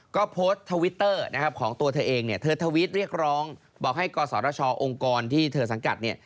ก็โพสต์ทวิตเตอร์ของตัวเธอเองเธอทวิตเรียกร้องบอกให้กศชองค์กรที่เธอสังกัด